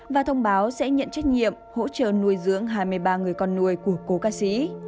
và thông báo sẽ nhận trách nhiệm hỗ trợ nuôi dưỡng hai mươi ba người con nuôi của cố ca sĩ